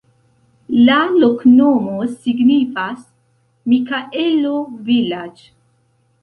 La loknomo signifas: Mikaelo-vilaĝ'.